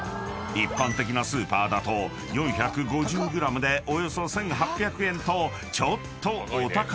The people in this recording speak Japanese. ［一般的なスーパーだと４５０ｇでおよそ１，８００円とちょっとお高めだが］